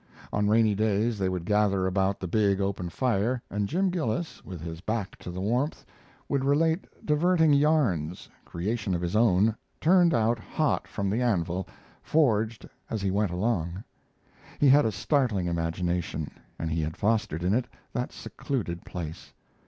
On rainy days they would gather about the big, open fire and Jim Gillis, with his back to the warmth, would relate diverting yarns, creations of his own, turned out hot from the anvil, forged as he went along. He had a startling imagination, and he had fostered it in that secluded place.